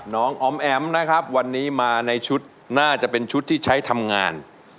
อ๋อมแอ๋มนะครับวันนี้มาในชุดน่าจะเป็นชุดที่ใช้ทำงาน